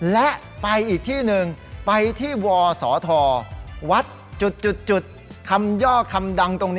และไปอีกที่หนึ่งไปที่วศธวัดจุดคำย่อคำดังตรงนี้